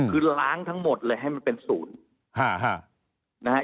คือล้างทั้งหมดเลยให้มันเป็นศูนย์นะฮะ